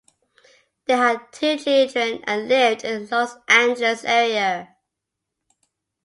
They had two children, and lived in the Los Angeles area.